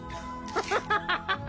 ハハハハハハ。